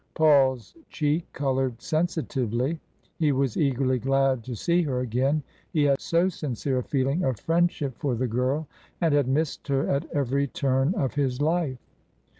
Paul's cheek coloured sensitively. He was eagerly glad to see her again, he had so sincere a feeling of friendship for the girl and had missed her at every turn of his life.